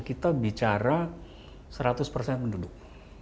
kita bicara seratus persen penduduk